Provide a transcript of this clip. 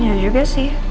ya juga sih